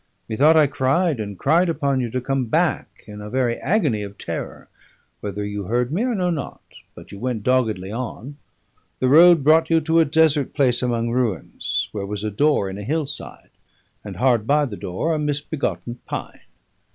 Methought I cried and cried upon you to come back in a very agony of terror; whether you heard me I know not, but you went doggedly on. The road brought you to a desert place among ruins, where was a door in a hill side, and hard by the door a misbegotten pine.